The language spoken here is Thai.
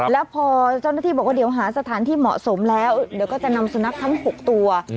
แล้วพอเจ้าหน้าที่บอกว่าเดี๋ยวหาสถานที่เหมาะสมแล้วเดี๋ยวก็จะนำสุนัขทั้ง๖ตัว